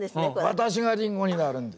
私がりんごになるんです。